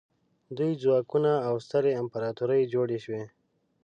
نوي ځواکونه او سترې امپراطورۍ جوړې شوې.